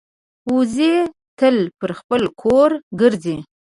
وزې تل پر خپل کور ګرځي